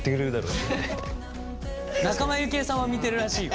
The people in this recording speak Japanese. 仲間由紀恵さんは見てるらしいよ。